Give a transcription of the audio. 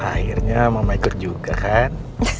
akhirnya mama ikut juga kan